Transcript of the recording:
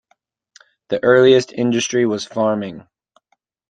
The earliest industry was farming.